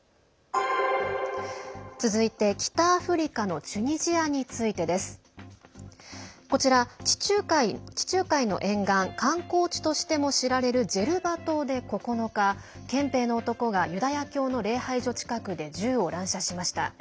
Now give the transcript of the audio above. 続いて北アフリカのチュニジアについてです。こちら、地中海の沿岸観光地としても知られるジェルバ島で９日憲兵の男が、ユダヤ教の礼拝所近くで銃を乱射しました。